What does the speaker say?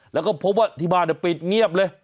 แล้วก็พบว่าที่บ้านปิดเงียบเลย